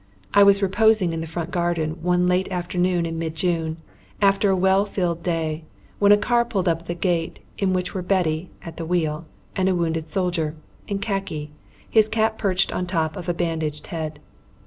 I was reposing in the front garden one late afternoon in mid June, after a well filled day, when a car pulled up at the gate, in which were Betty (at the wheel) and a wounded soldier, in khaki, his cap perched on top of a bandaged head.